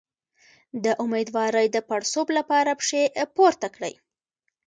د امیدوارۍ د پړسوب لپاره پښې پورته کړئ